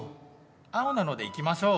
青なので行きましょう。